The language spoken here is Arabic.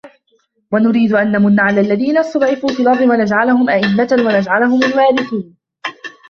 وَنُريدُ أَن نَمُنَّ عَلَى الَّذينَ استُضعِفوا فِي الأَرضِ وَنَجعَلَهُم أَئِمَّةً وَنَجعَلَهُمُ الوارِثينَ